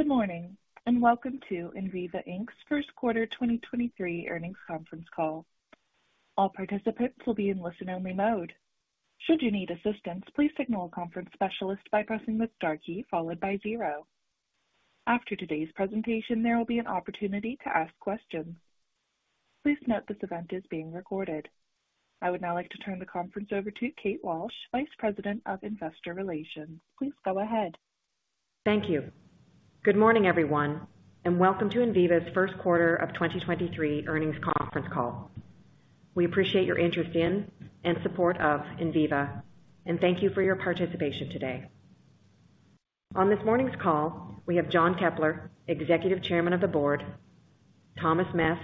Good morning, welcome to Enviva Inc.'s First Quarter 2023 Earnings Conference Call. All participants will be in listen-only mode. Should you need assistance, please signal a conference specialist by pressing the star key followed by zero. After today's presentation, there will be an opportunity to ask questions. Please note this event is being recorded. I would now like to turn the conference over to Kate Walsh, Vice President of Investor Relations. Please go ahead. Thank you. Good morning, everyone. Welcome to Enviva's First Quarter of 2023 Earnings Conference Call. We appreciate your interest in and support of Enviva. Thank you for your participation today. On this morning's call, we have John Keppler, Executive Chairman of the Board, Thomas Meth,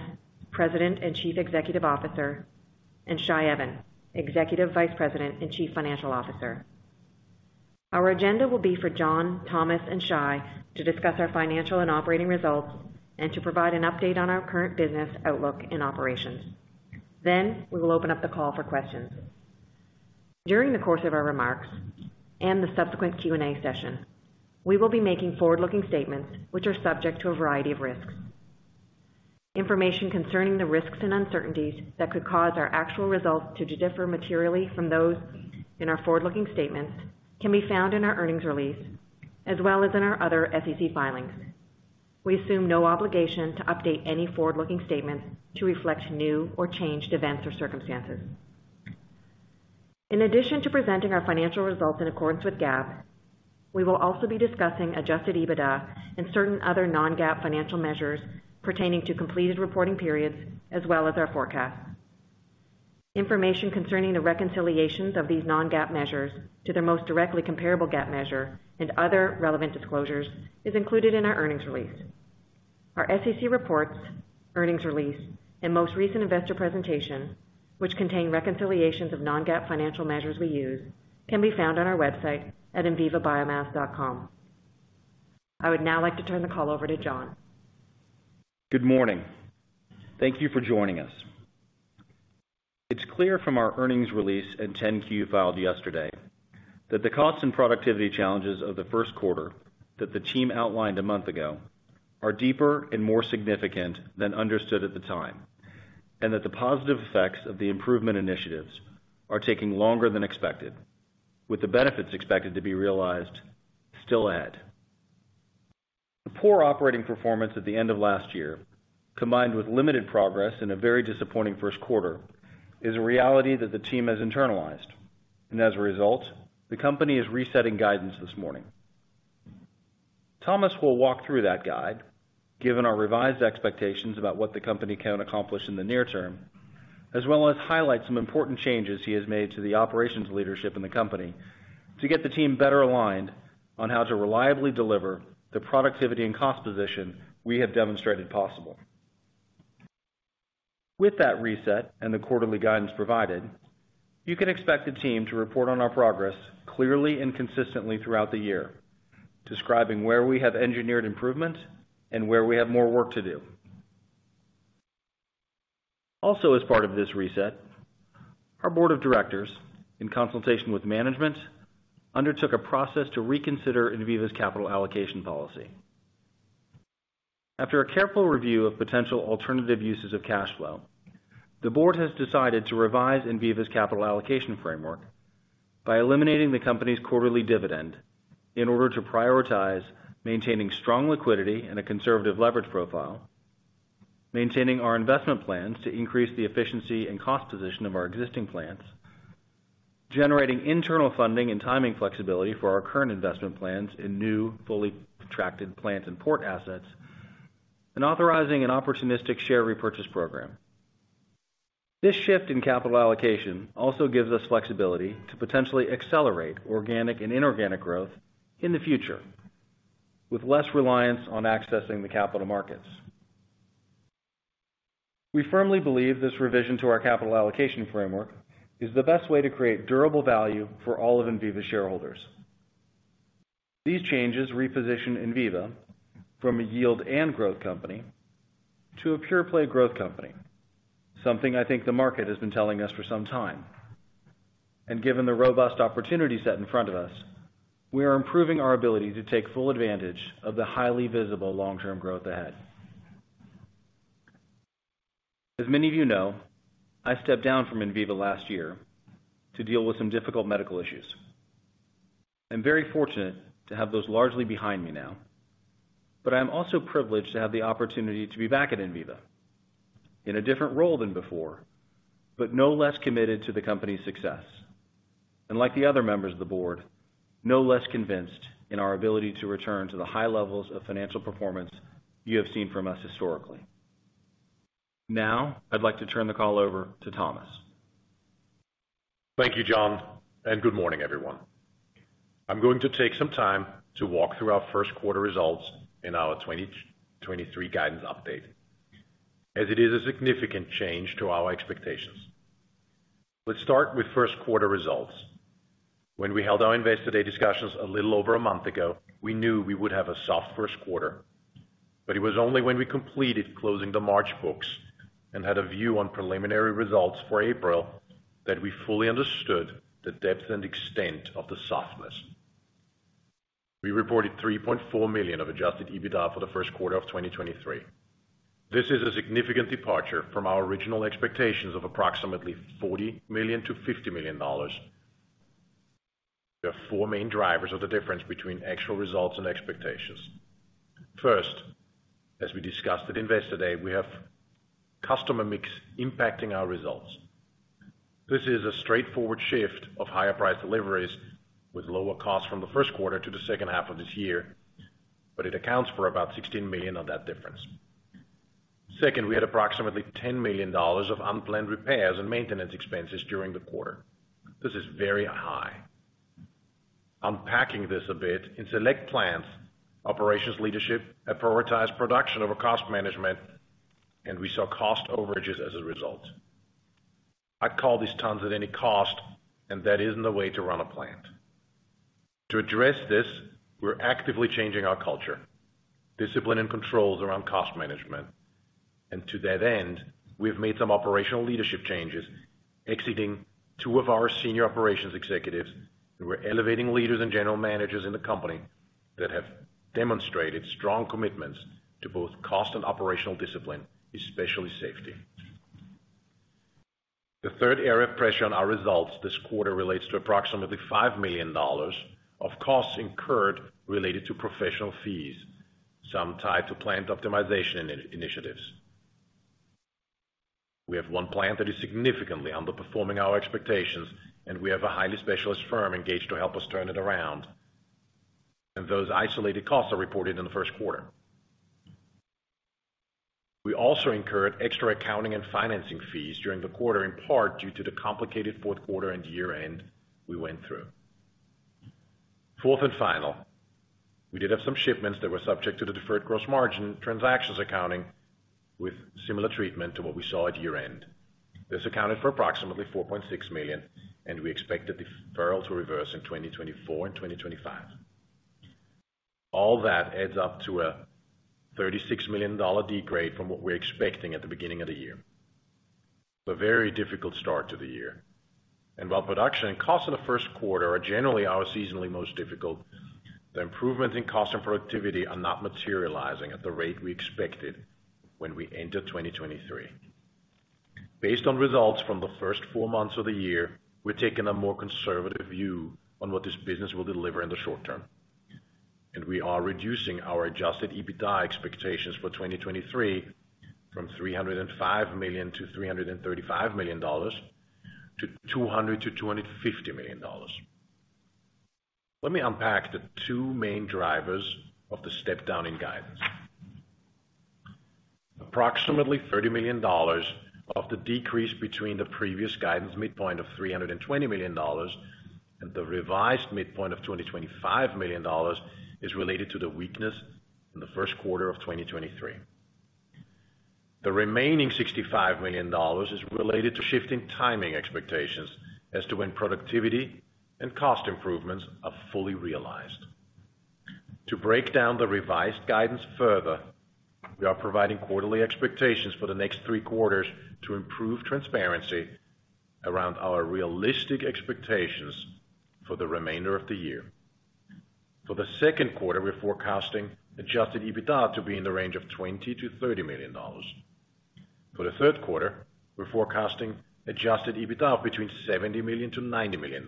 President and Chief Executive Officer, and Shai Even, Executive Vice President and Chief Financial Officer. Our agenda will be for John, Thomas, and Shai to discuss our financial and operating results and to provide an update on our current business outlook and operations. We will open up the call for questions. During the course of our remarks and the subsequent Q&A session, we will be making forward-looking statements which are subject to a variety of risks. Information concerning the risks and uncertainties that could cause our actual results to differ materially from those in our forward-looking statements can be found in our earnings release as well as in our other SEC filings. We assume no obligation to update any forward-looking statements to reflect new or changed events or circumstances. In addition to presenting our financial results in accordance with GAAP, we will also be discussing adjusted EBITDA and certain other non-GAAP financial measures pertaining to completed reporting periods as well as our forecasts. Information concerning the reconciliations of these non-GAAP measures to their most directly comparable GAAP measure and other relevant disclosures is included in our earnings release. Our SEC reports, earnings release, and most recent investor presentation, which contain reconciliations of non-GAAP financial measures we use, can be found on our website at envivabiomass.com. I would now like to turn the call over to John. Good morning. Thank you for joining us. It's clear from our earnings release and 10-Q filed yesterday that the cost and productivity challenges of the first quarter that the team outlined a month ago are deeper and more significant than understood at the time, that the positive effects of the improvement initiatives are taking longer than expected, with the benefits expected to be realized still ahead. The poor operating performance at the end of last year, combined with limited progress in a very disappointing first quarter, is a reality that the team has internalized, as a result, the company is resetting guidance this morning. Thomas will walk through that guide, given our revised expectations about what the company can accomplish in the near term, as well as highlight some important changes he has made to the operations leadership in the company to get the team better aligned on how to reliably deliver the productivity and cost position we have demonstrated possible. With that reset and the quarterly guidance provided, you can expect the team to report on our progress clearly and consistently throughout the year, describing where we have engineered improvement and where we have more work to do. As part of this reset, our board of directors, in consultation with management, undertook a process to reconsider Enviva's capital allocation policy. After a careful review of potential alternative uses of cash flow, the board has decided to revise Enviva's capital allocation framework by eliminating the company's quarterly dividend in order to prioritize maintaining strong liquidity and a conservative leverage profile, maintaining our investment plans to increase the efficiency and cost position of our existing plants, generating internal funding and timing flexibility for our current investment plans in new, fully contracted plant and port assets, and authorizing an opportunistic share repurchase program. This shift in capital allocation also gives us flexibility to potentially accelerate organic and inorganic growth in the future with less reliance on accessing the capital markets. We firmly believe this revision to our capital allocation framework is the best way to create durable value for all of Enviva's shareholders. These changes reposition Enviva from a yield and growth company to a pure play growth company, something I think the market has been telling us for some time. Given the robust opportunity set in front of us, we are improving our ability to take full advantage of the highly visible long-term growth ahead. As many of you know, I stepped down from Enviva last year to deal with some difficult medical issues. I'm very fortunate to have those largely behind me now, but I am also privileged to have the opportunity to be back at Enviva in a different role than before, but no less committed to the company's success. Like the other members of the board, no less convinced in our ability to return to the high levels of financial performance you have seen from us historically. Now, I'd like to turn the call over to Thomas. Thank you, John. Good morning, everyone. I'm going to take some time to walk through our first quarter results and our 2023 guidance update, as it is a significant change to our expectations. Let's start with first quarter results. When we held our Investor Day discussions a little over a month ago, we knew we would have a soft first quarter. It was only when we completed closing the March books and had a view on preliminary results for April that we fully understood the depth and extent of the softness. We reported $3.4 million of adjusted EBITDA for the first quarter of 2023. This is a significant departure from our original expectations of approximately $40 million-$50 million. There are four main drivers of the difference between actual results and expectations. First, as we discussed at Investor Day, we have customer mix impacting our results. This is a straightforward shift of higher price deliveries with lower costs from the first quarter to the second half of this year, but it accounts for about $16 million of that difference. Second, we had approximately $10 million of unplanned repairs and maintenance expenses during the quarter. This is very high. Unpacking this a bit, in select plants, operations leadership have prioritized production over cost management, and we saw cost overages as a result. I call these tons at any cost, and that isn't the way to run a plant. To address this, we're actively changing our culture, discipline and controls around cost management. To that end, we have made some operational leadership changes, exiting two of our senior operations executives who were elevating leaders and general managers in the company that have demonstrated strong commitments to both cost and operational discipline, especially safety. The third area of pressure on our results this quarter relates to approximately $5 million of costs incurred related to professional fees, some tied to plant optimization initiatives. We have one plant that is significantly underperforming our expectations, and we have a highly specialist firm engaged to help us turn it around, and those isolated costs are reported in the first quarter. We also incurred extra accounting and financing fees during the quarter, in part due to the complicated fourth quarter and year-end we went through. Fourth and final, we did have some shipments that were subject to the deferred gross margin transactions accounting with similar treatment to what we saw at year-end. This accounted for approximately $4.6 million, and we expect the deferral to reverse in 2024 and 2025. All that adds up to a $36 million degrade from what we're expecting at the beginning of the year. It's a very difficult start to the year. While production and cost in the first quarter are generally our seasonally most difficult, the improvement in cost and productivity are not materializing at the rate we expected when we entered 2023. Based on results from the first four months of the year, we're taking a more conservative view on what this business will deliver in the short term. We are reducing our adjusted EBITDA expectations for 2023 from $305 million-$335 million to $200 million-$250 million. Let me unpack the two main drivers of the step-down in guidance. Approximately $30 million of the decrease between the previous guidance midpoint of $320 million and the revised midpoint of $225 million is related to the weakness in the first quarter of 2023. The remaining $65 million is related to shifting timing expectations as to when productivity and cost improvements are fully realized. To break down the revised guidance further, we are providing quarterly expectations for the next three quarters to improve transparency around our realistic expectations for the remainder of the year. For the second quarter, we're forecasting adjusted EBITDA to be in the range of $20 million-$30 million. For the third quarter, we're forecasting adjusted EBITDA between $70 million-$90 million.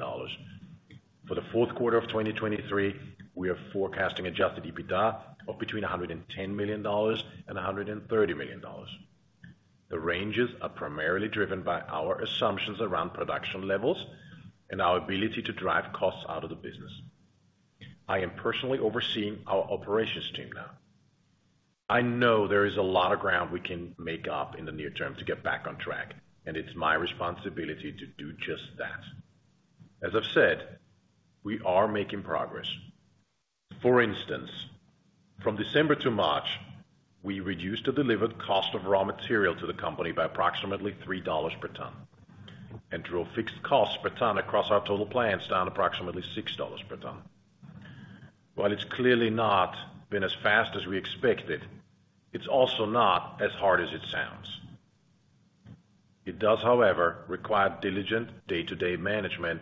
For the fourth quarter of 2023, we are forecasting adjusted EBITDA of between $110 million and $130 million. The ranges are primarily driven by our assumptions around production levels and our ability to drive costs out of the business. I am personally overseeing our operations team now. I know there is a lot of ground we can make up in the near term to get back on track, and it's my responsibility to do just that. As I've said, we are making progress. For instance, from December to March, we reduced the delivered cost of raw material to the company by approximately $3 per ton and drove fixed costs per ton across our total plants down approximately $6 per ton. While it's clearly not been as fast as we expected, it's also not as hard as it sounds. It does, however, require diligent day-to-day management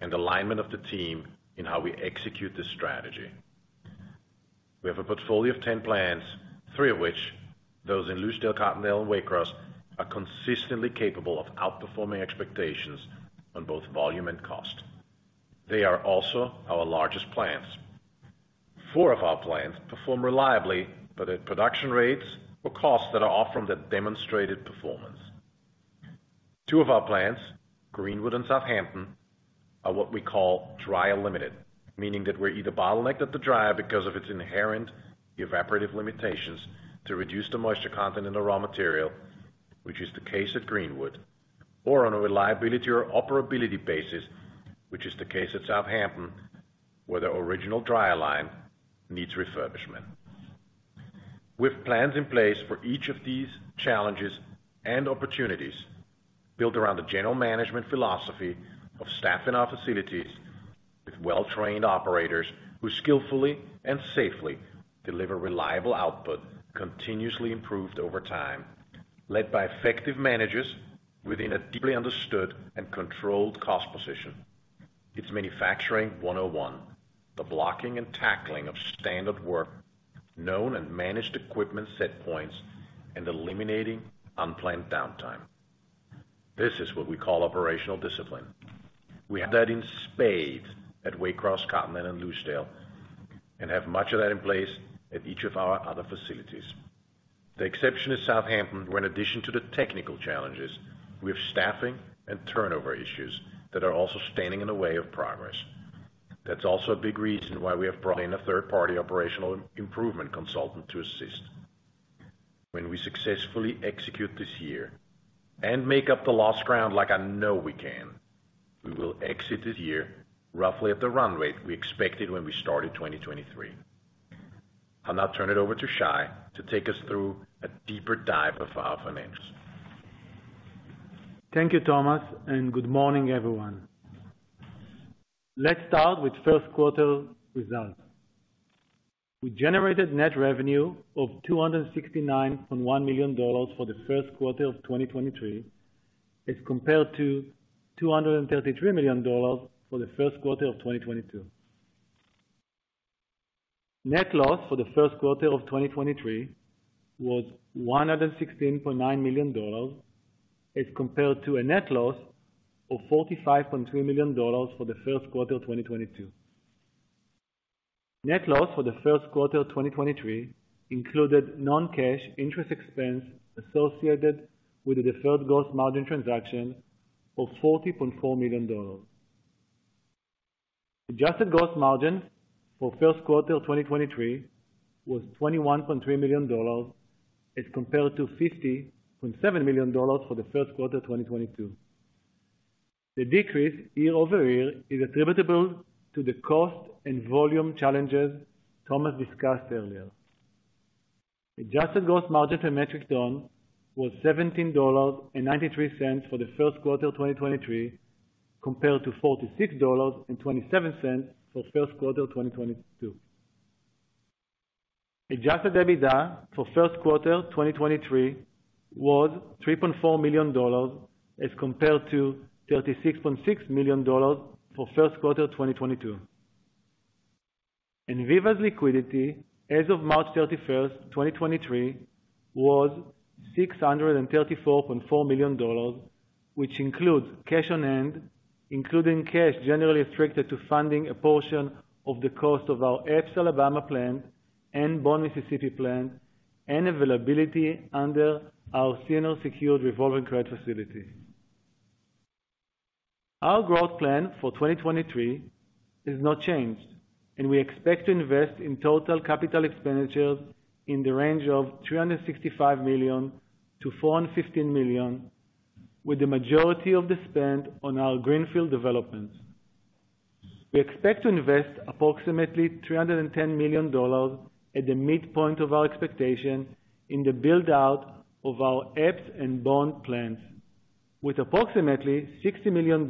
and alignment of the team in how we execute this strategy. We have a portfolio of 10 plants, three of which, those in Lucedale, Cottondale, and Waycross, are consistently capable of outperforming expectations on both volume and cost. They are also our largest plants. Four of our plants perform reliably, but at production rates or costs that are off from the demonstrated performance. Two of our plants, Greenwood and Southampton, are what we call dryer-limited, meaning that we're either bottlenecked at the dryer because of its inherent evaporative limitations to reduce the moisture content in the raw material, which is the case at Greenwood, or on a reliability or operability basis, which is the case at Southampton, where the original dryer line needs refurbishment. With plans in place for each of these challenges and opportunities built around a general management philosophy of staffing our facilities with well-trained operators who skillfully and safely deliver reliable output, continuously improved over time, led by effective managers within a deeply understood and controlled cost position. It's manufacturing one-oh-one, the blocking and tackling of standard work, known and managed equipment set points, and eliminating unplanned downtime. This is what we call operational discipline. We have that in spades at Waycross, Cottondale, and Lucedale, have much of that in place at each of our other facilities. The exception is Southampton, where in addition to the technical challenges, we have staffing and turnover issues that are also standing in the way of progress. That's also a big reason why we have brought in a third-party operational improvement consultant to assist. When we successfully execute this year and make up the lost ground like I know we can, we will exit this year roughly at the run rate we expected when we started 2023. I'll now turn it over to Shai to take us through a deeper dive of our financials. Thank you, Thomas. Good morning, everyone. Let's start with first quarter results. We generated net revenue of $269.1 million for the first quarter of 2023, as compared to $233 million for the first quarter of 2022. Net loss for the first quarter of 2023 was $116.9 million, as compared to a net loss of $45.3 million for the first quarter of 2022. Net loss for the first quarter of 2023 included non-cash interest expense associated with the deferred gross margin transactions of $40.4 million. adjusted gross margin for first quarter of 2023 was $21.3 million, as compared to $50.7 million for the first quarter of 2022. The decrease year-over-year is attributable to the cost and volume challenges Thomas discussed earlier. Adjusted gross margin for metric ton was $17.93 for the first quarter of 2023, compared to $46.27 for first quarter of 2022. Adjusted EBITDA for first quarter of 2023 was $3.4 million, as compared to $36.6 million for first quarter of 2022. Enviva's liquidity as of March 31st, 2023, was $634.4 million, which includes cash on hand, including cash generally restricted to funding a portion of the cost of our Epes, Alabama plant and Bond, Mississippi plant, and availability under our senior secured revolving credit facility. Our growth plan for 2023 is not changed, we expect to invest in total capital expenditures in the range of $365 million-$415 million, with the majority of the spend on our greenfield developments. We expect to invest approximately $310 million at the midpoint of our expectations in the build-out of our Epes and Bond plants, with approximately $60 million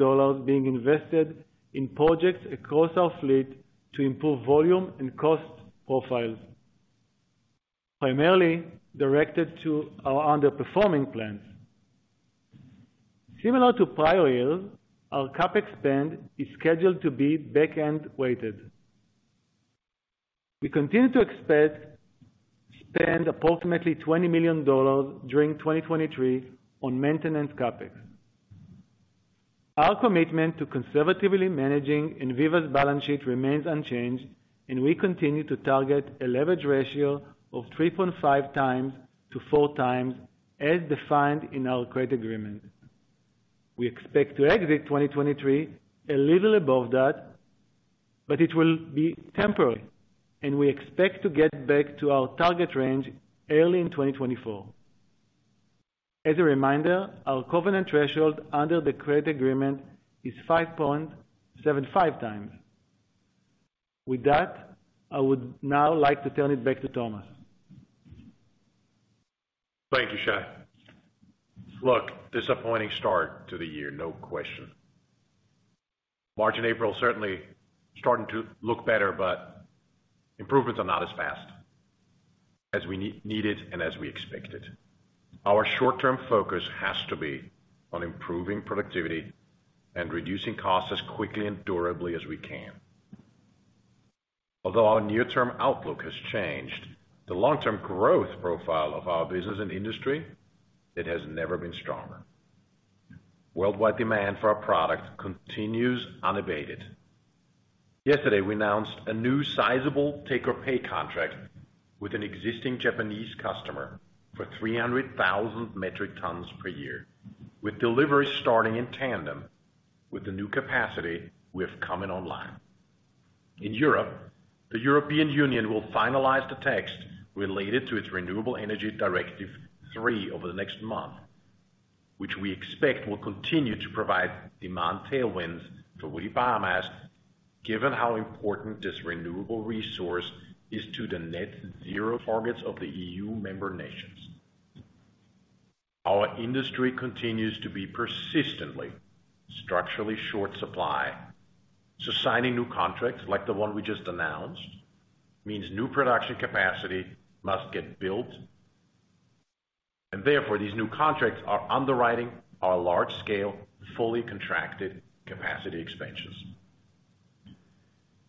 being invested in projects across our fleet to improve volume and cost profiles, primarily directed to our underperforming plants. Similar to prior years, our CapEx spend is scheduled to be back-end weighted. We continue to expect to spend approximately $20 million during 2023 on maintenance CapEx. Our commitment to conservatively managing Enviva's balance sheet remains unchanged, and we continue to target a leverage ratio of 3.5x-4x as defined in our credit agreement. We expect to exit 2023 a little above that, but it will be temporary, and we expect to get back to our target range early in 2024. As a reminder, our covenant threshold under the credit agreement is 5.75x. With that, I would now like to turn it back to Thomas. Thank you, Shai. Look, disappointing start to the year, no question. March and April, certainly starting to look better, but improvements are not as fast as we needed and as we expected. Our short-term focus has to be on improving productivity and reducing costs as quickly and durably as we can. Although our near-term outlook has changed, the long-term growth profile of our business and industry, it has never been stronger. Worldwide demand for our product continues unabated. Yesterday, we announced a new sizable take-or-pay contract with an existing Japanese customer for 300,000 metric tons per year, with delivery starting in tandem with the new capacity we have coming online. In Europe, the European Union will finalize the text related to its Renewable Energy Directive III over the next month, which we expect will continue to provide demand tailwinds for woody biomass, given how important this renewable resource is to the net zero targets of the EU member nations. Our industry continues to be persistently structurally short supply. Signing new contracts like the one we just announced means new production capacity must get built. Therefore, these new contracts are underwriting our large scale, fully contracted capacity expansions.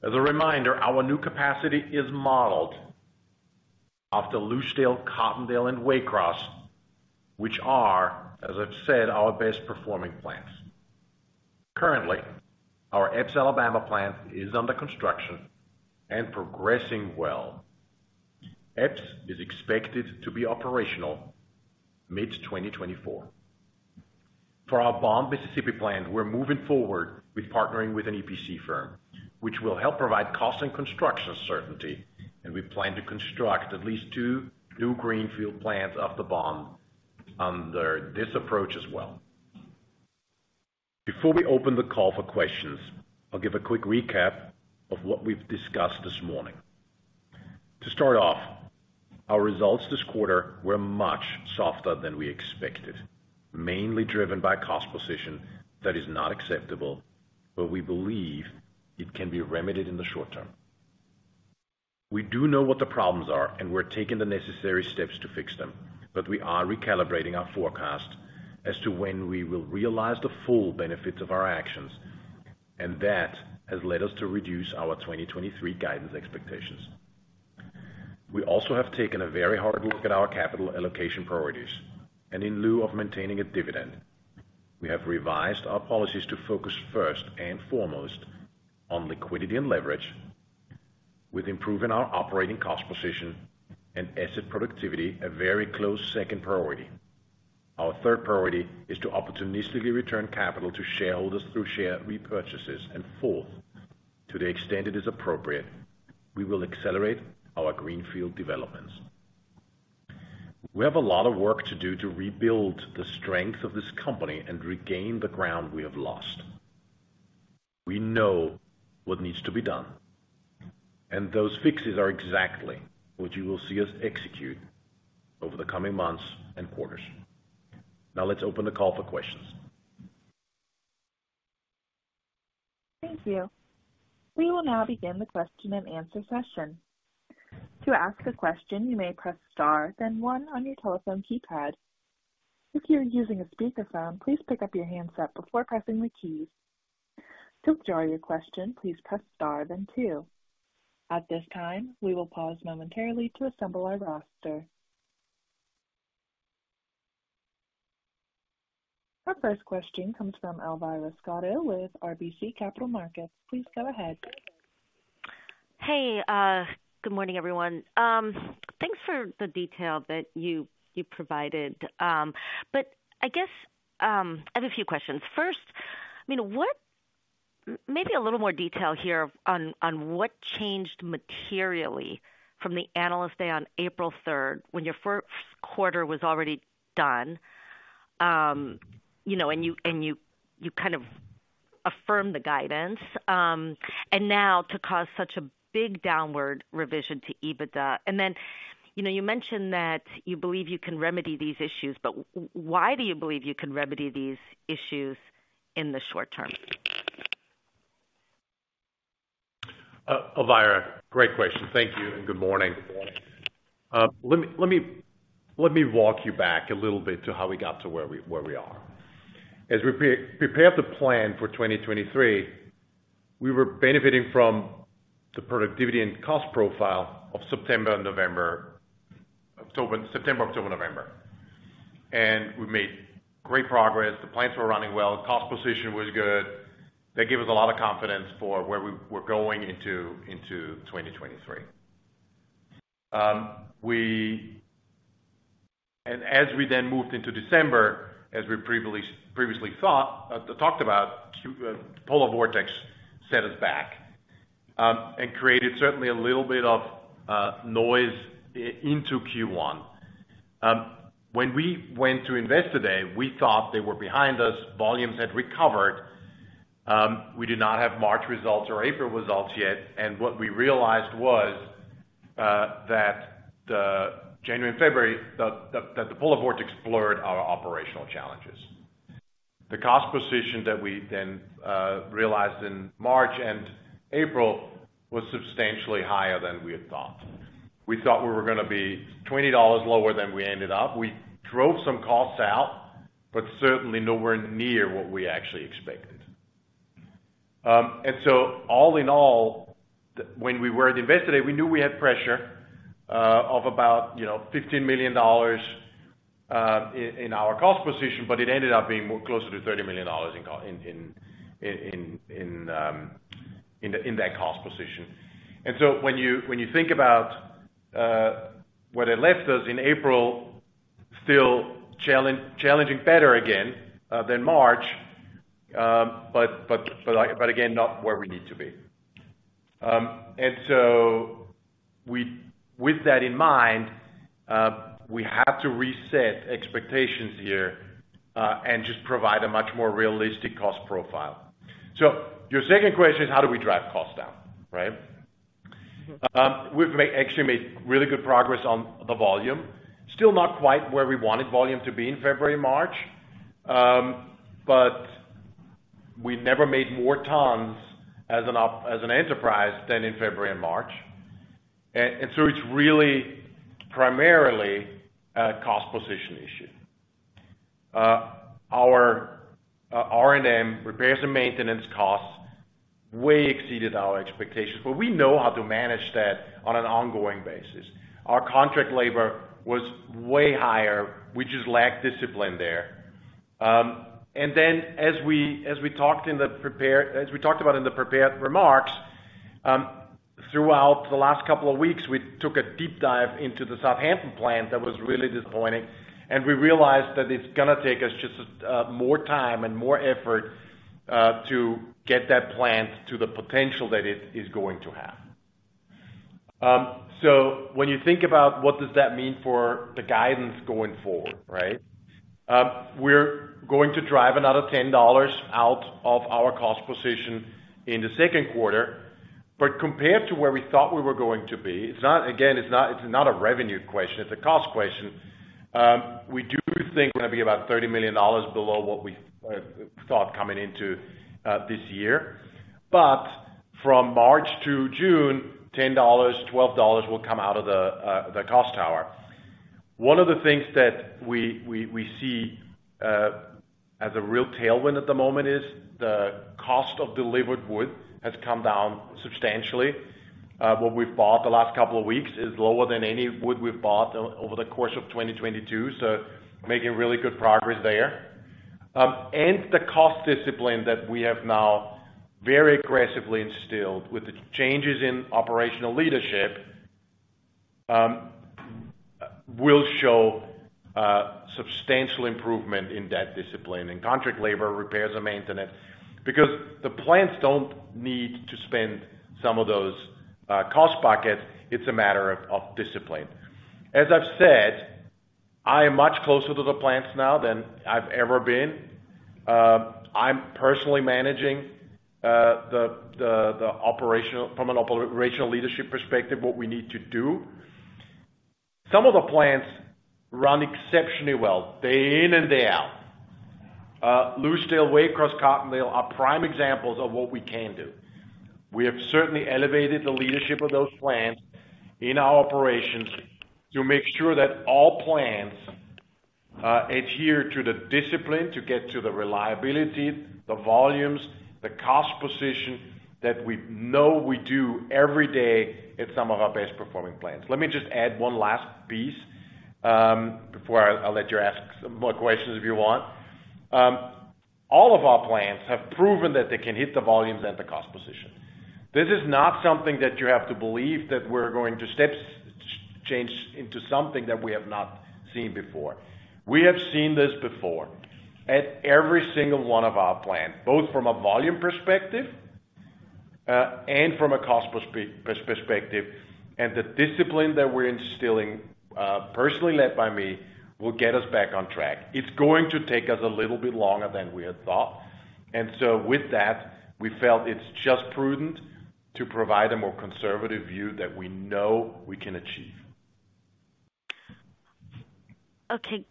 As a reminder, our new capacity is modeled after Lucedale, Cottondale and Waycross, which are, as I've said, our best performing plants. Currently, our Epes, Alabama plant is under construction and progressing well. Epes is expected to be operational mid-2024. For our Bond, Mississippi plant, we're moving forward with partnering with an EPC firm, which will help provide cost and construction certainty. We plan to construct at least two new greenfield plants off the Bond under this approach as well. Before we open the call for questions, I'll give a quick recap of what we've discussed this morning. To start off, our results this quarter were much softer than we expected, mainly driven by cost position that is not acceptable. We believe it can be remedied in the short term. We do know what the problems are. We're taking the necessary steps to fix them. We are recalibrating our forecast as to when we will realize the full benefits of our actions. That has led us to reduce our 2023 guidance expectations. We also have taken a very hard look at our capital allocation priorities, and in lieu of maintaining a dividend, we have revised our policies to focus first and foremost on liquidity and leverage with improving our operating cost position and asset productivity, a very close second priority. Our third priority is to opportunistically return capital to shareholders through share repurchases. Fourth, to the extent it is appropriate, we will accelerate our greenfield developments. We have a lot of work to do to rebuild the strength of this company and regain the ground we have lost. We know what needs to be done, and those fixes are exactly what you will see us execute over the coming months and quarters. Now let's open the call for questions. Thank you. We will now begin the question and answer session. To ask a question, you may press star, then one on your telephone keypad. If you are using a speakerphone, please pick up your handset before pressing the keys. To withdraw your question, please press star then two. At this time, we will pause momentarily to assemble our roster. Our first question comes from Elvira Scotto with RBC Capital Markets. Please go ahead. Hey, good morning, everyone. Thanks for the detail that you provided. I guess, I have a few questions. First, I mean, maybe a little more detail here on what changed materially from the Analyst Day on April third when your first quarter was already done, you know, and you kind of affirmed the guidance, and now to cause such a big downward revision to EBITDA. Then, you know, you mentioned that you believe you can remedy these issues, but why do you believe you can remedy these issues in the short term? Elvira, great question. Thank you and good morning. Let me walk you back a little bit to how we got to where we are. As we pre-prepared the plan for 2023, we were benefiting from the productivity and cost profile of September and November. September, October, November. We made great progress. The plants were running well. Cost position was good. That gave us a lot of confidence for where we were going into 2023. As we then moved into December, as we previously thought, talked about, polar vortex set us back, and created certainly a little bit of noise into Q1. When we went to Investor Day, we thought they were behind us. Volumes had recovered. We did not have March results or April results yet. What we realized was that the January and February, the, that the polar vortex blurred our operational challenges. The cost position that we then realized in March and April was substantially higher than we had thought. We thought we were gonna be $20 lower than we ended up. We drove some costs out, but certainly nowhere near what we actually expected. All in all, when we were at Investor Day, we knew we had pressure of about, you know, $15 million in our cost position, but it ended up being more closer to $30 million in that cost position. When you think about where that left us in April, still challenging, better again than March, but again, not where we need to be. With that in mind, we have to reset expectations here and just provide a much more realistic cost profile. Your second question is how do we drive costs down, right? We've actually made really good progress on the volume. Still not quite where we wanted volume to be in February, March, but we've never made more tons as an enterprise than in February and March. It's really primarily a cost position issue. Our R&M, repairs and maintenance costs, way exceeded our expectations, but we know how to manage that on an ongoing basis. Our contract labor was way higher. We just lacked discipline there. As we talked about in the prepared remarks, throughout the last couple of weeks, we took a deep dive into the Southampton plant that was really disappointing, and we realized that it's gonna take us just more time and more effort to get that plant to the potential that it is going to have. When you think about what does that mean for the guidance going forward, right? We're going to drive another $10 out of our cost position in the second quarter. Compared to where we thought we were going to be, it's not, again, a revenue question, it's a cost question. We do think we're gonna be about $30 million below what we thought coming into this year. From March to June, $10, $12 will come out of the cost tower. One of the things that we see as a real tailwind at the moment is the cost of delivered wood has come down substantially. What we've bought the last couple of weeks is lower than any wood we've bought over the course of 2022, so making really good progress there. The cost discipline that we have now very aggressively instilled with the changes in operational leadership will show substantial improvement in that discipline, in contract labor, repairs and maintenance. The plants don't need to spend some of those cost buckets. It's a matter of discipline. As I've said, I am much closer to the plants now than I've ever been. I'm personally managing from an operational leadership perspective, what we need to do. Some of the plants run exceptionally well day in and day out. Lucedale, Waycross, Cottondale are prime examples of what we can do. We have certainly elevated the leadership of those plants in our operations to make sure that all plants adhere to the discipline to get to the reliability, the volumes, the cost position that we know we do every day at some of our best performing plants. Let me just add one last piece before I'll let you ask some more questions if you want. All of our plants have proven that they can hit the volumes at the cost position. This is not something that you have to believe that we're going to step change into something that we have not seen before. We have seen this before at every single one of our plants, both from a volume perspective, and from a cost perspective. The discipline that we're instilling, personally led by me, will get us back on track. It's going to take us a little bit longer than we had thought. With that, we felt it's just prudent to provide a more conservative view that we know we can achieve. Okay.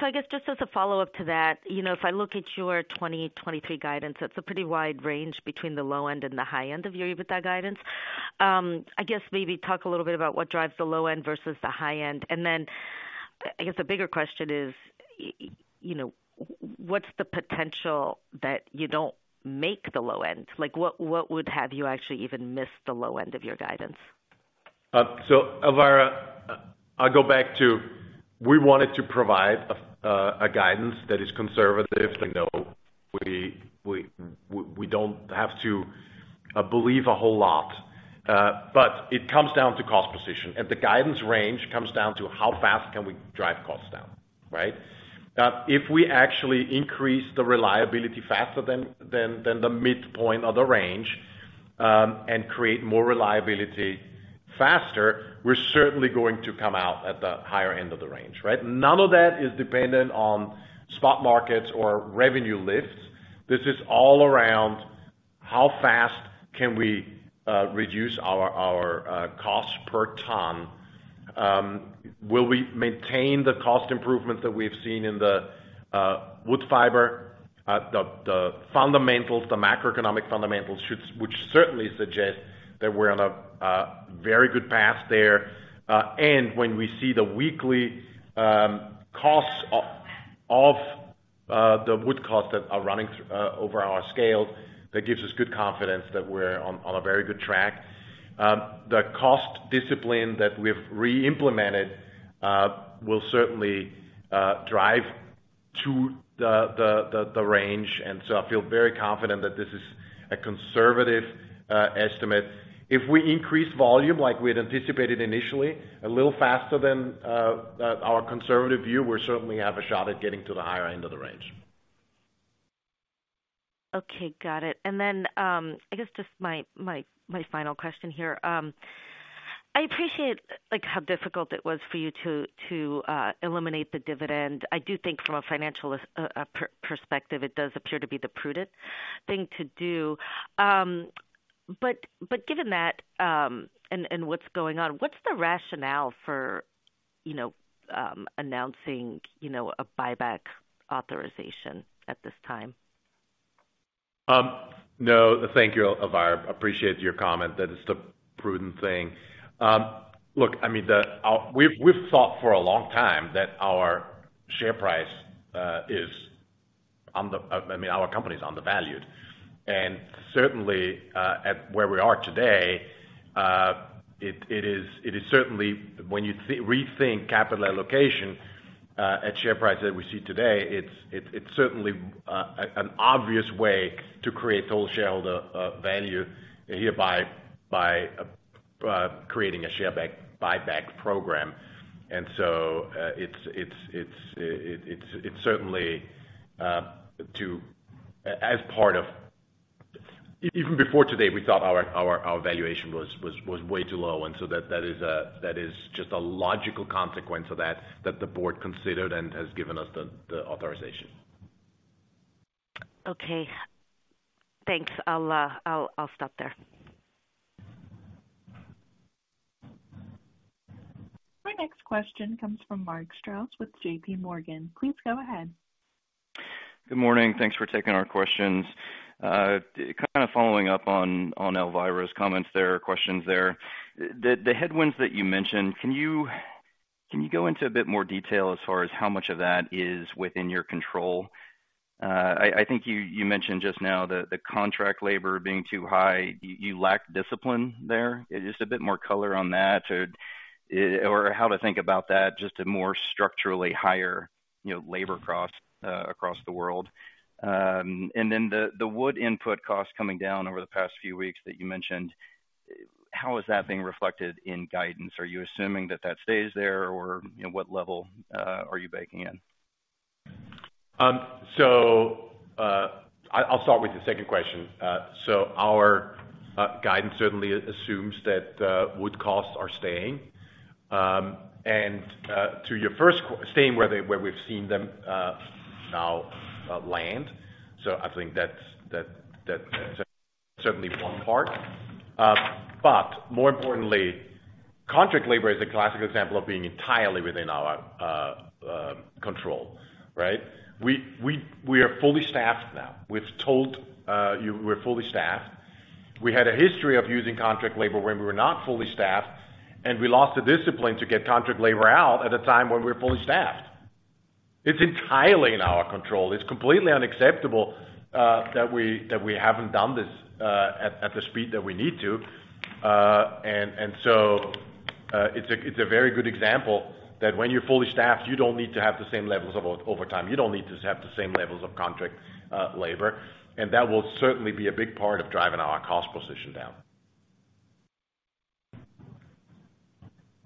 So I guess just as a follow-up to that, you know, if I look at your 2023 guidance, it's a pretty wide range between the low end and the high end of your EBITDA guidance. I guess maybe talk a little bit about what drives the low end versus the high end. Then I guess the bigger question is, you know, what's the potential that you don't make the low end? Like, what would have you actually even missed the low end of your guidance? Elvira, I'll go back to we wanted to provide a guidance that is conservative, you know. We don't have to believe a whole lot. It comes down to cost position, and the guidance range comes down to how fast can we drive costs down, right? If we actually increase the reliability faster than the midpoint of the range, and create more reliability faster, we're certainly going to come out at the higher end of the range, right? None of that is dependent on spot markets or revenue lifts. This is all around how fast can we reduce our costs per ton. Will we maintain the cost improvements that we've seen in the wood fiber? The fundamentals, the macroeconomic fundamentals which certainly suggest that we're on a very good path there. When we see the weekly costs of the wood costs that are running over our scale, that gives us good confidence that we're on a very good track. The cost discipline that we've reimplemented will certainly drive to the range. I feel very confident that this is a conservative estimate. If we increase volume like we had anticipated initially, a little faster than our conservative view, we certainly have a shot at getting to the higher end of the range. Okay. Got it. Then, I guess just my final question here. I appreciate, like, how difficult it was for you to eliminate the dividend. I do think from a financial perspective, it does appear to be the prudent thing to do. Given that, and what's going on, what's the rationale for, you know, announcing, you know, a buyback authorization at this time? No, thank you, Elvira. Appreciate your comment that it's the prudent thing. Look, I mean, we've thought for a long time that our share price is I mean, our company's undervalued. Certainly, at where we are today, it is certainly when you rethink capital allocation, at share price that we see today, it's certainly an obvious way to create total shareholder value hereby by creating a buyback program. It's certainly as part of Even before today, we thought our valuation was way too low, and so that is just a logical consequence of that the board considered and has given us the authorization. Okay. Thanks. I'll stop there. Our next question comes from Mark Strouse with JPMorgan. Please go ahead. Good morning. Thanks for taking our questions. Kind of following up on Elvira's comments there or questions there. The headwinds that you mentioned, can you go into a bit more detail as far as how much of that is within your control? I think you mentioned just now the contract labor being too high, you lack discipline there. Just a bit more color on that or how to think about that, just a more structurally higher, you know, labor cost across the world. The wood input costs coming down over the past few weeks that you mentioned, how is that being reflected in guidance? Are you assuming that stays there or, you know, what level are you baking in? I'll start with the second question. Our guidance certainly assumes that wood costs are staying. And to your first staying where we've seen them now land. I think that's certainly one part. More importantly, contract labor is a classic example of being entirely within our control, right? We are fully staffed now. We've told you we're fully staffed. We had a history of using contract labor when we were not fully staffed, and we lost the discipline to get contract labor out at a time when we're fully staffed. It's entirely in our control. It's completely unacceptable that we haven't done this at the speed that we need to. It's a very good example that when you're fully staffed, you don't need to have the same levels of overtime. You don't need to have the same levels of contract labor. That will certainly be a big part of driving our cost position down.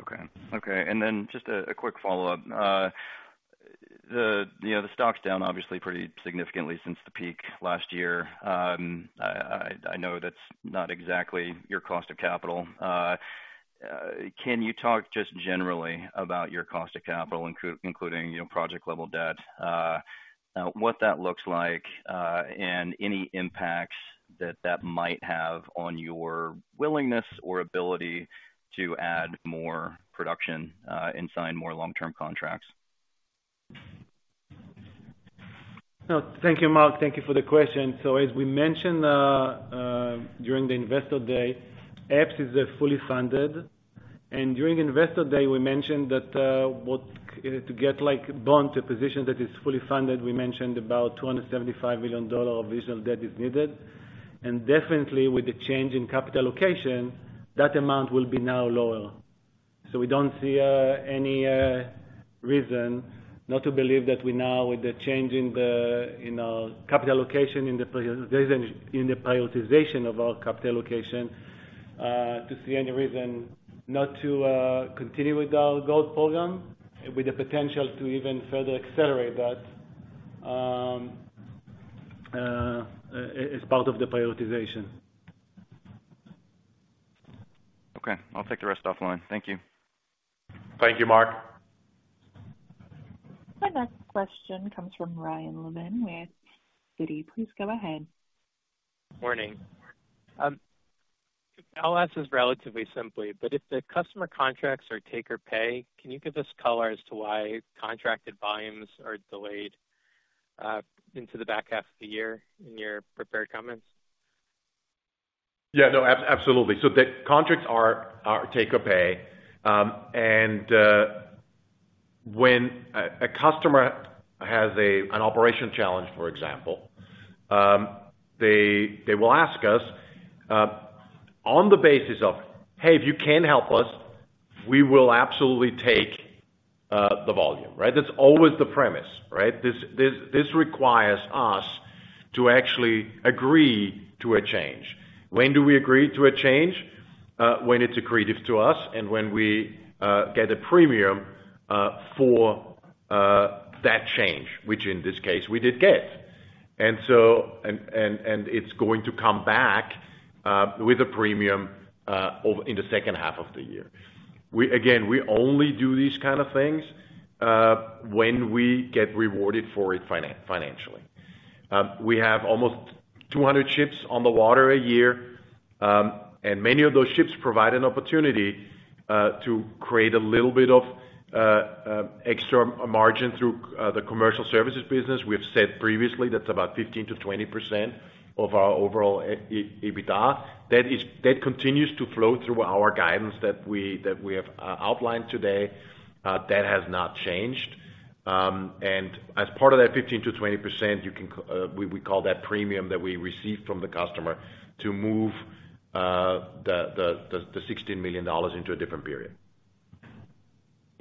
Okay. Okay. Just a quick follow-up. You know, the stock's down obviously pretty significantly since the peak last year. I know that's not exactly your cost of capital. Can you talk just generally about your cost of capital, including, you know, project level debt, what that looks like, and any impacts that that might have on your willingness or ability to add more production, and sign more long-term contracts? Thank you, Mark. Thank you for the question. As we mentioned, during the Investor Day, Epes is fully funded. During Investor Day, we mentioned that to get like Bond to a position that is fully funded, we mentioned about $275 million of visual debt is needed. Definitely with the change in capital allocation, that amount will be now lower. We don't see any reason not to believe that we now, with the change in the, in our capital allocation in the prioritization of our capital allocation, to see any reason not to continue with our growth program, with the potential to even further accelerate that as part of the prioritization. Okay. I'll take the rest offline. Thank you. Thank you, Mark. Our next question comes from Ryan Levine with Citi. Please go ahead. Morning. I'll ask this relatively simply, but if the customer contracts are take-or-pay, can you give us color as to why contracted volumes are delayed into the back half of the year in your prepared comments? Absolutely. The contracts are take-or-pay. When a customer has an operation challenge, for example, they will ask us on the basis of, "Hey, if you can help us, we will absolutely take the volume." Right? That's always the premise, right? This requires us to actually agree to a change. When do we agree to a change? When it's accretive to us and when we get a premium for that change, which in this case, we did get. It's going to come back with a premium over in the second half of the year. Again, we only do these kind of things when we get rewarded for it financially. We have almost 200 ships on the water a year. Many of those ships provide an opportunity to create a little bit of extra margin through the commercial services business. We have said previously that's about 15%-20% of our overall EBITDA. That continues to flow through our guidance that we have outlined today. That has not changed. As part of that 15%-20%, we call that premium that we receive from the customer to move the $16 million into a different period.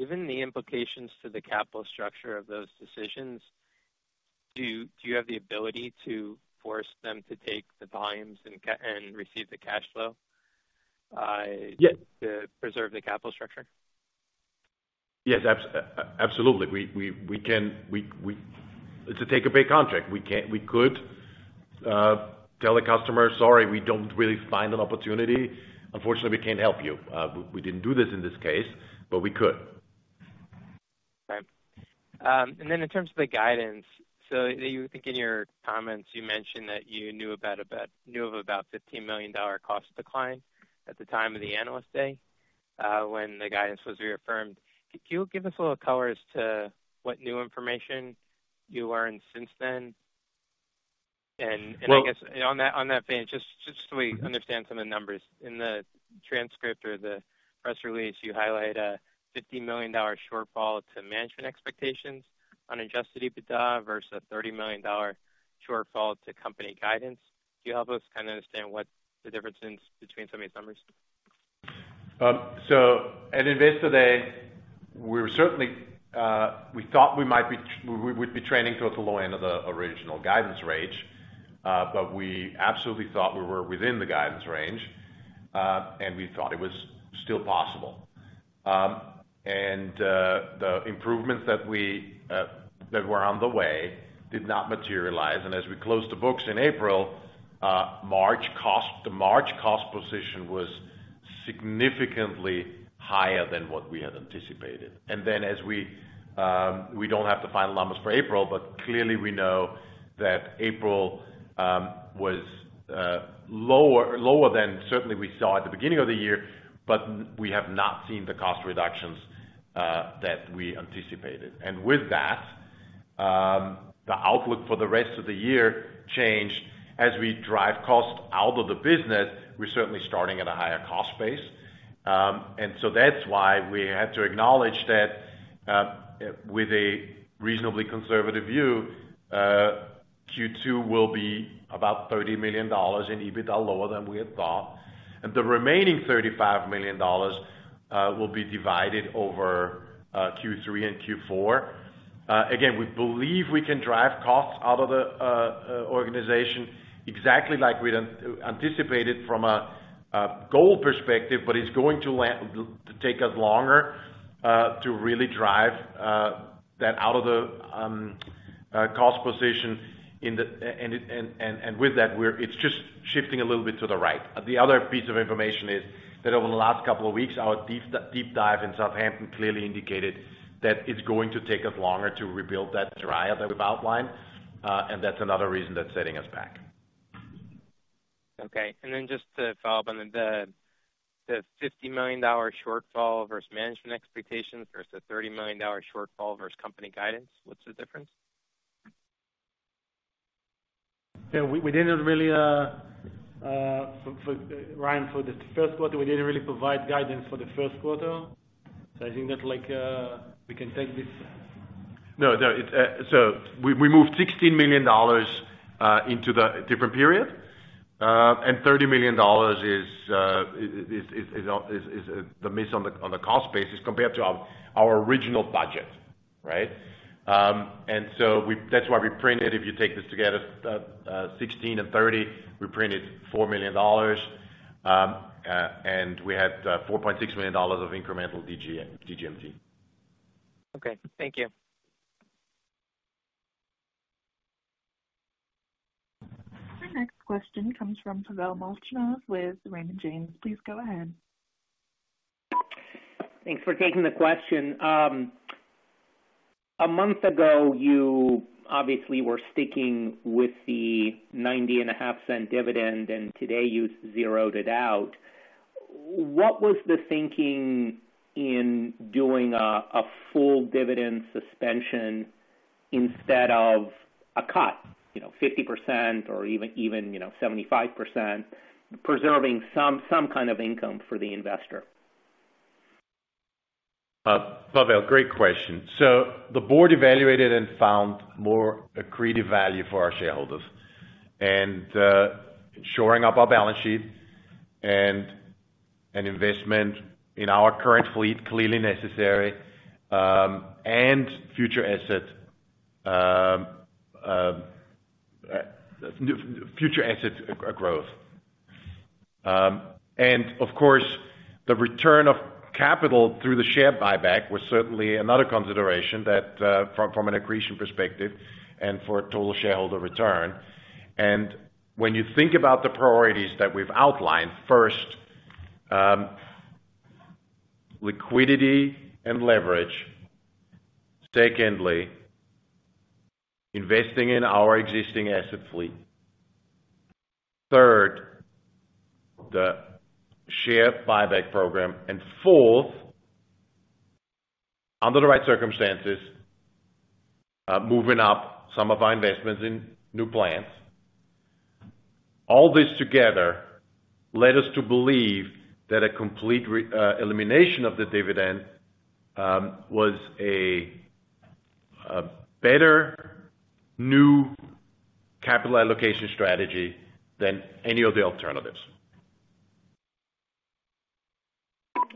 Given the implications to the capital structure of those decisions, do you have the ability to force them to take the volumes and receive the cash flow? Yes. To preserve the capital structure? Yes, absolutely. To take a big contract, we could tell the customer, "Sorry, we don't really find an opportunity. Unfortunately, we can't help you." We didn't do this in this case, but we could. Okay. In terms of the guidance, you think in your comments, you mentioned that you knew of about $15 million cost decline at the time of the Analyst Day, when the guidance was reaffirmed. Could you give us a little color as to what new information you learned since then? Well- On that vein, just so we understand some of the numbers. In the transcript or the press release, you highlight a $50 million shortfall to management expectations on adjusted EBITDA versus a $30 million shortfall to company guidance. Can you help us kind of understand what the difference between some of these numbers? At Investor Day, we were certainly, we thought we would be trending towards the low end of the original guidance range, but we absolutely thought we were within the guidance range, and we thought it was still possible. The improvements that we that were on the way did not materialize. As we closed the books in April, March cost, the March cost position was significantly higher than what we had anticipated. As we don't have the final numbers for April, but clearly we know that April was lower than certainly we saw at the beginning of the year, but we have not seen the cost reductions that we anticipated. With that, the outlook for the rest of the year changed. As we drive costs out of the business, we're certainly starting at a higher cost base. So that's why we had to acknowledge that, with a reasonably conservative view, Q2 will be about $30 million in EBITDA, lower than we had thought. The remaining $35 million will be divided over Q3 and Q4. We believe we can drive costs out of the organization exactly like we'd anticipated from a goal perspective, it's going to take us longer to really drive that out of the cost position in the. With that, it's just shifting a little bit to the right. The other piece of information is that over the last couple of weeks, our deep dive in Southampton clearly indicated that it's going to take us longer to rebuild that triad that we've outlined, and that's another reason that's setting us back. Okay. Then just to follow up on the $50 million shortfall versus management expectations versus the $30 million shortfall versus company guidance. What's the difference? Yeah. We didn't really for Ryan, for the first quarter, we didn't really provide guidance for the first quarter. I think that like we can take. No, no. It. We moved $16 million into the different period, and $30 million is the miss on the cost basis compared to our original budget, right? That's why we printed, if you take this together, $16 million and $30 million, we printed $4 million, and we had $4.6 million of incremental DGMT. Okay. Thank you. Our next question comes from Pavel Molchanov with Raymond James. Please go ahead. Thanks for taking the question. A month ago, you obviously were sticking with the $0.905 dividend. Today you zeroed it out. What was the thinking in doing a full dividend suspension instead of a cut, you know, 50% or even, you know, 75%, preserving some kind of income for the investor? Pavel, great question. The board evaluated and found more accretive value for our shareholders. Shoring up our balance sheet and an investment in our current fleet clearly necessary, and future asset growth. Of course, the return of capital through the share buyback was certainly another consideration that from an accretion perspective and for total shareholder return. When you think about the priorities that we've outlined, first, liquidity and leverage. Secondly, investing in our existing asset fleet. Third, the share buyback program. Fourth, under the right circumstances, moving up some of our investments in new plants. All this together led us to believe that a complete elimination of the dividend was a better new capital allocation strategy than any of the alternatives.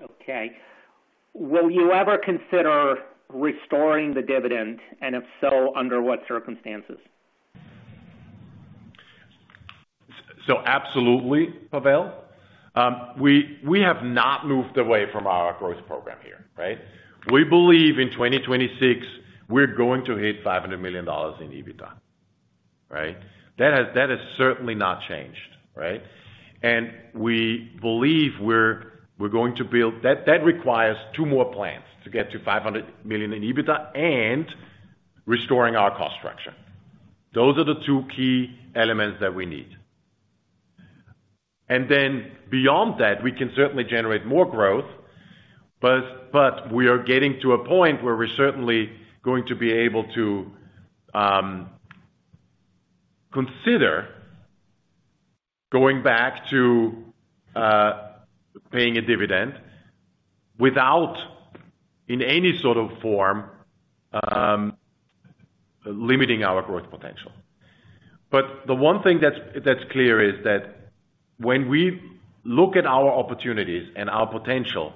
Okay. Will you ever consider restoring the dividend, and if so, under what circumstances? Absolutely, Pavel. We have not moved away from our growth program here, right? We believe in 2026, we're going to hit $500 million in EBITDA, right? That has certainly not changed, right? We believe we're going to build. That requires two more plans to get to $500 million in EBITDA and restoring our cost structure. Those are the two key elements that we need. Beyond that, we can certainly generate more growth, but we are getting to a point where we're certainly going to be able to consider going back to paying a dividend without, in any sort of form, limiting our growth potential. The one thing that's clear is that when we look at our opportunities and our potential,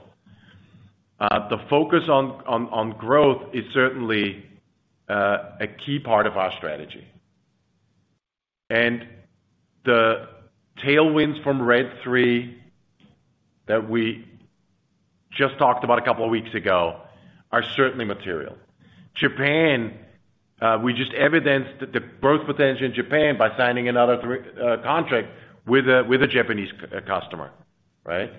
the focus on growth is certainly a key part of our strategy. The tailwinds from RED III that we just talked about a couple of weeks ago are certainly material. Japan, we just evidenced the growth potential in Japan by signing another contract with a Japanese customer, right?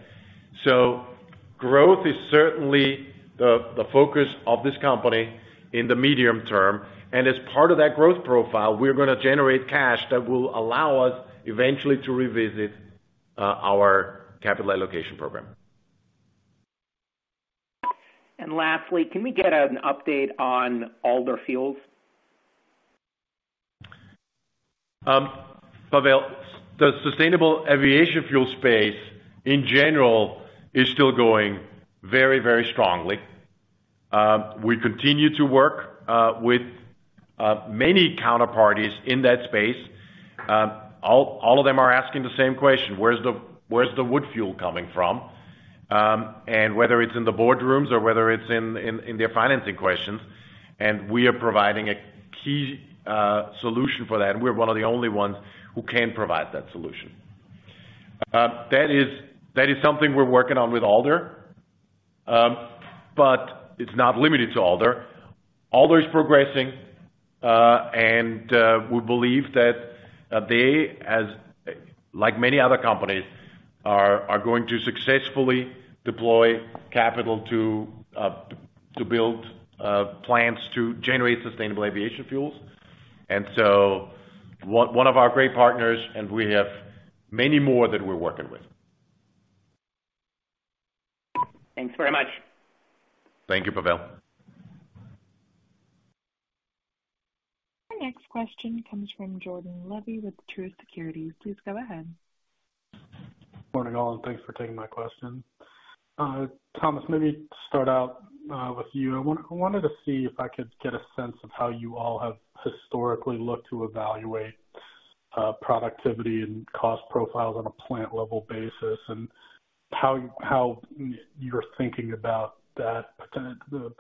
Growth is certainly the focus of this company in the medium term, and as part of that growth profile, we're gonna generate cash that will allow us eventually to revisit our capital allocation program. Lastly, can we get an update on Alder Fuels? Pavel, the sustainable aviation fuel space in general is still going very, very strongly. We continue to work with many counterparties in that space. All of them are asking the same question: where's the wood fuel coming from? Whether it's in the boardrooms or whether it's in their financing questions, and we are providing a key solution for that. We're one of the only ones who can provide that solution. That is something we're working on with Alder, but it's not limited to Alder. Alder is progressing, and we believe that they, as like many other companies, are going to successfully deploy capital to build plants to generate sustainable aviation fuels. One of our great partners, and we have many more that we're working with. Thanks very much. Thank you, Pavel. The next question comes from Jordan Levy with Truist Securities. Please go ahead. Morning, all. Thanks for taking my question. Thomas, maybe start out with you. I wanted to see if I could get a sense of how you all have historically looked to evaluate productivity and cost profiles on a plant level basis, and how you're thinking about the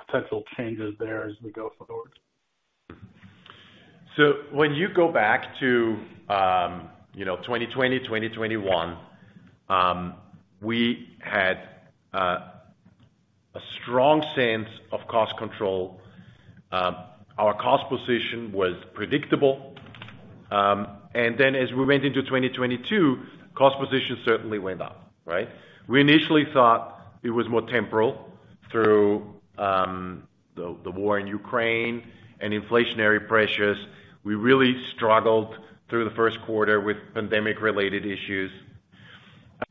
potential changes there as we go forward. When you go back to, you know, 2020, 2021, we had a strong sense of cost control. Our cost position was predictable. As we went into 2022, cost position certainly went up, right? We initially thought it was more temporal through the war in Ukraine and inflationary pressures. We really struggled through the first quarter with pandemic-related issues.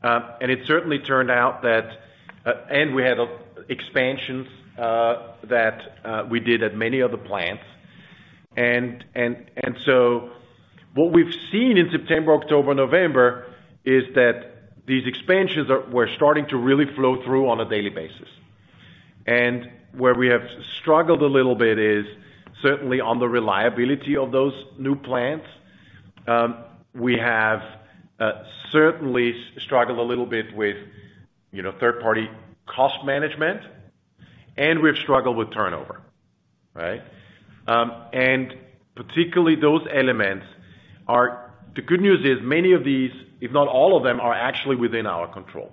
It certainly turned out that we had expansions that we did at many of the plants. What we've seen in September, October, November, is that these expansions were starting to really flow through on a daily basis. Where we have struggled a little bit is certainly on the reliability of those new plants. We have certainly struggled a little bit with, you know, third-party cost management, and we've struggled with turnover. Right? Particularly those elements. The good news is many of these, if not all of them, are actually within our control,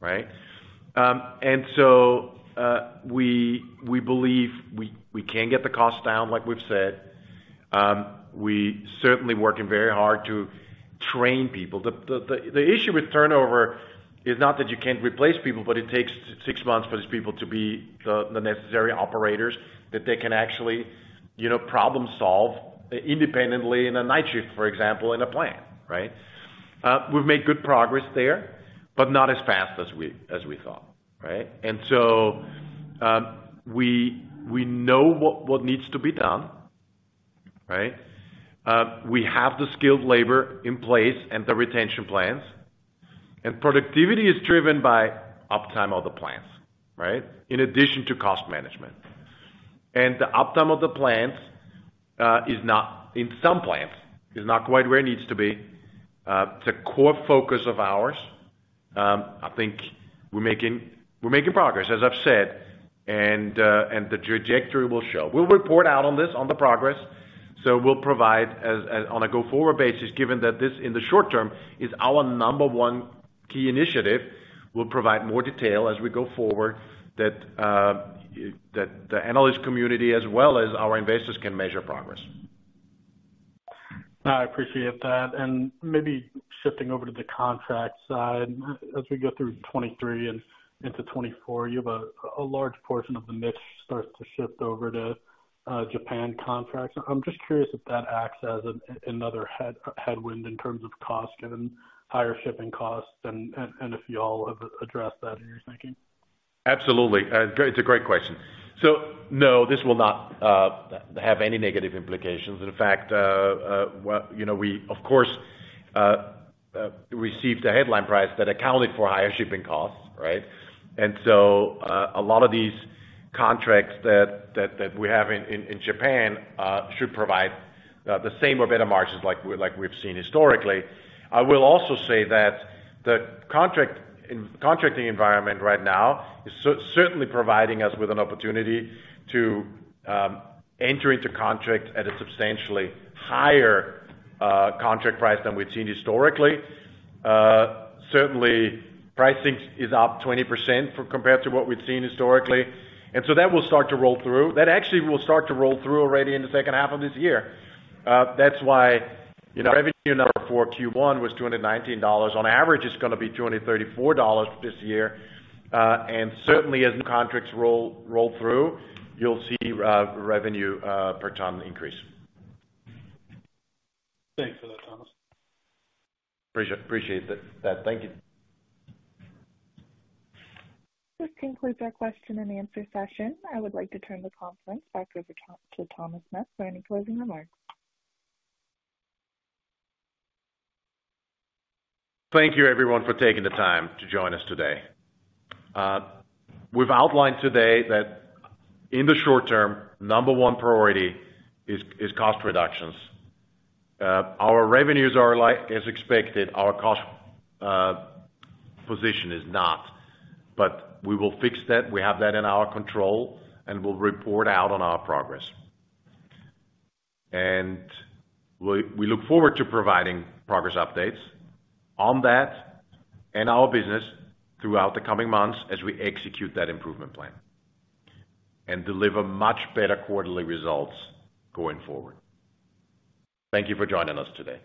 right? We believe we can get the cost down, like we've said. We certainly working very hard to train people. The issue with turnover is not that you can't replace people, but it takes 6 months for these people to be the necessary operators that they can actually, you know, problem solve independently in a night shift, for example, in a plant, right? We've made good progress there, but not as fast as we thought, right? We know what needs to be done, right? We have the skilled labor in place and the retention plans. Productivity is driven by uptime of the plants, right? In addition to cost management. The uptime of the plants is not, in some plants, is not quite where it needs to be. It's a core focus of ours. I think we're making progress, as I've said. The trajectory will show. We'll report out on this, on the progress, so we'll provide as on a go-forward basis, given that this, in the short term, is our number one key initiative. We'll provide more detail as we go forward that the analyst community as well as our investors can measure progress. I appreciate that. Maybe shifting over to the contract side. As we go through 2023 and into 2024, you have a large portion of the mix starts to shift over to Japan contracts. I'm just curious if that acts as another headwind in terms of cost given higher shipping costs and if y'all have addressed that in your thinking? Absolutely. Great, it's a great question. No, this will not have any negative implications. In fact, well, you know, we of course, received a headline price that accounted for higher shipping costs, right? A lot of these contracts that we have in Japan should provide the same or better margins like we've seen historically. I will also say that the contracting environment right now is certainly providing us with an opportunity to enter into contract at a substantially higher contract price than we've seen historically. Certainly pricing is up 20% for compared to what we've seen historically. That will start to roll through. That actually will start to roll through already in the second half of this year. That's why, you know, revenue number for Q1 was $219. On average, it's gonna be $234 this year. Certainly as new contracts roll through, you'll see revenue per ton increase. Thanks for that, Thomas. Appreciate that. Thank you. This concludes our question and answer session. I would like to turn the conference back over to Thomas Meth for any closing remarks. Thank you everyone for taking the time to join us today. We've outlined today that in the short term, number one priority is cost reductions. Our revenues are like as expected, our cost position is not. We will fix that. We have that in our control, and we'll report out on our progress. We, we look forward to providing progress updates on that and our business throughout the coming months as we execute that improvement plan and deliver much better quarterly results going forward. Thank you for joining us today.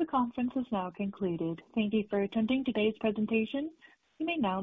The conference is now concluded. Thank you for attending today's presentation. You may now disconnect.